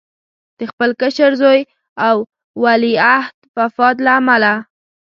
د خپل کشر زوی او ولیعهد وفات له امله.